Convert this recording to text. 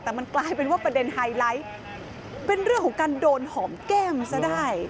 แต่มันกลายเป็นว่าประเด็นไฮไลท์เป็นเรื่องของการโดนหอมแก้มซะได้